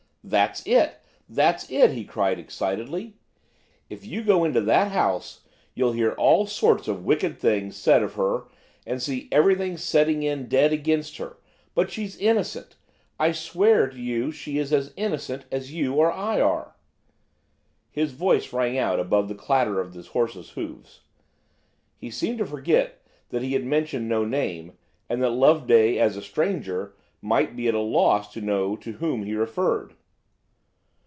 "That's it! that's it!" he cried excitedly; "if you go into that house you'll hear all sorts of wicked things said of her, and see everything setting in dead against her. But she's innocent. I swear to you she is as innocent as you or I are." His voice rang out above the clatter of his horse's hoots. He seemed to forget that he had mentioned no name, and that Loveday, as a stranger, might be at a loss to know to whom he referred.